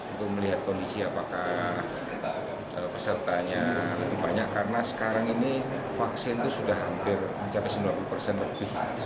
untuk melihat kondisi apakah pesertanya lebih banyak karena sekarang ini vaksin itu sudah hampir mencapai sembilan puluh persen lebih